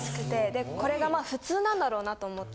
でこれが普通なんだろうなと思って。